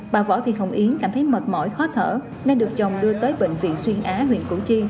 bà võ thị hồng yến cảm thấy mệt mỏi khó thở nên được chồng đưa tới bệnh viện xuyên á huyện củ chi